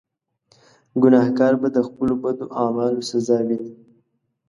ګناهکار به د خپلو بدو اعمالو سزا ویني.